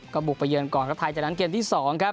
ก็บุกไปเยือนก่อนครับไทยจากนั้นเกมที่๒ครับ